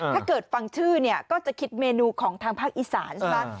ถ้าเกิดฟังชื่อเนี่ยก็จะคิดเมนูของทางภาคอีสานซะ